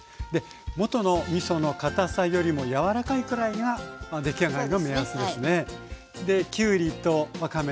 元のみその堅さよりもやわらかいくらいが出来上がりの目安ですね。